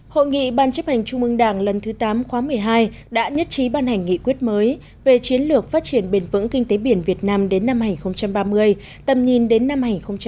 hội nghị ban chấp hành trung mương đảng lần thứ tám khóa một mươi hai đã nhất trí ban hành nghị quyết mới về chiến lược phát triển bền vững kinh tế biển việt nam đến năm hai nghìn ba mươi tầm nhìn đến năm hai nghìn bốn mươi năm